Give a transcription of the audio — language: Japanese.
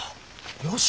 よし！